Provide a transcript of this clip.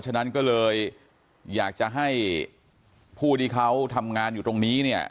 ฉะนั้นก็เลยอยากจะให้ผู้ที่เขาทำงานอยู่ตรงนี้เนี่ย